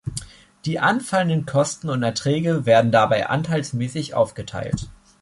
Die anfallenden Kosten und Erträge werden dabei anteilsmäßig aufgeteilt.